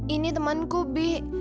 ini temanku bi